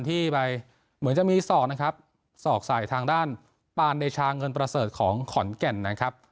ที่ไปเหมือนจะมีศอกนะครับศอกใส่ทางด้านปานเดชาเงินประเสริฐของขอนแก่นนะครับ